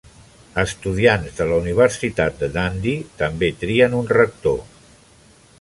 Estudiants de la Universitat de Dundee també trien un rector.